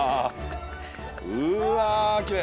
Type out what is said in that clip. うわきれい。